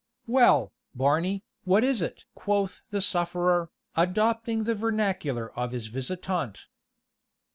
"Well, Barney, what is it?" quoth the sufferer, adopting the vernacular of his visitant.